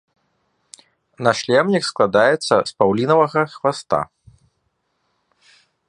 Нашлемнік складаецца з паўлінавага хваста.